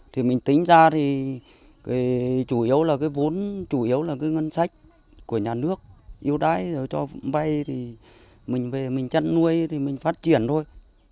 thì mình tính ra thì chủ yếu là cái vốn chủ yếu là cái ngân sách của nhà nước yêu đái rồi cho vay thì mình về mình chăn nuôi thì mình phát triển thôi